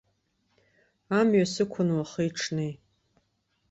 Амҩа сықәын уахи-ҽни.